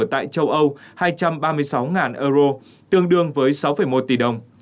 tại châu âu hai trăm ba mươi sáu euro tương đương với sáu một tỷ đồng